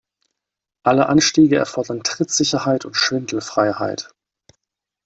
Alle Anstiege erfordern Trittsicherheit und Schwindelfreiheit.